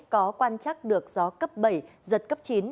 có quan trắc được gió cấp bảy giật cấp chín